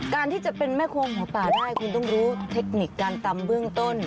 การที่จะเป็นแม่โคมของป่าได้คุณต้องรู้เทคนิคการตำเบื้องต้น